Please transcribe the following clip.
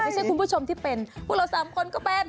คุณผู้ชมที่เป็นพวกเราสามคนก็เป็น